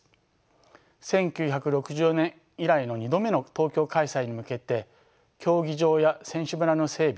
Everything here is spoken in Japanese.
１９６４年以来の２度目の東京開催に向けて競技場や選手村の整備